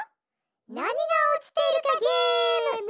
なにがおちているかゲーム！